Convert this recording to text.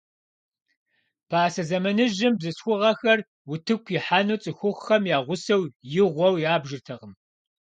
Пасэ зэманыжьым бзылъхугъэхэр утыку ихьэну цӀыхухъухэм я гъусэу игъуэу ябжыртэкъым.